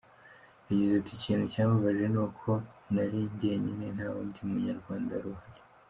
Yagize ati “Ikintu cyambabaje ni uko nari njyenyine nta wundi munyarwanda wari uhari.